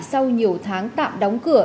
sau nhiều tháng tạm đóng cửa